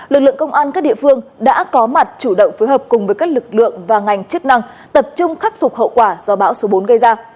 lực lượng công an các địa phương đã có mặt chủ động phối hợp cùng với các lực lượng và ngành chức năng tập trung khắc phục hậu quả do bão số bốn gây ra